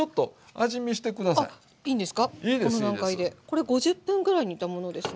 これ５０分くらい煮たものですね。